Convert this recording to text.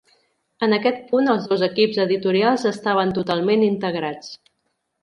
En aquest punt els dos equips editorials estaven totalment integrats.